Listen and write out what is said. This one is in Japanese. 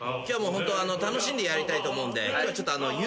今日もホント楽しんでやりたいと思うんで今日はちょっとあの。